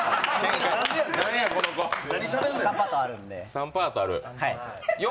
３パートある。